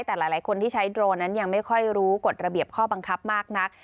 แต่หลายคนที่ใช้โดรนนั้นยังไม่ค่อยรู้กฎระเบียบข้อบังคับมากนัก